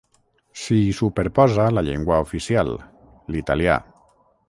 S'hi superposa la llengua oficial, l'italià.